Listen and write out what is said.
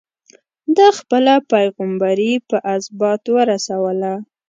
ده خپله پيغمبري په ازبات ورسوله.